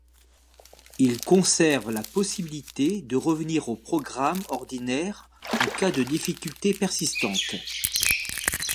Ils conservent la possibilité de revenir au programme ordinaire en cas de difficultés persistantes.